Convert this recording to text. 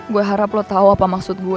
gue harap lo tahu apa maksud gue